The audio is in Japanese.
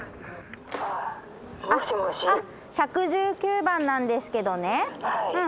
あっ１１９番なんですけどね。